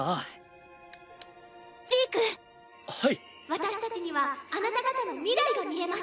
私たちにはあなた方の未来が見えます。